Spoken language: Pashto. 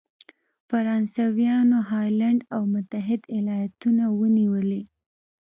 فرانسویانو هالنډ او متحد ایالتونه ونیولې.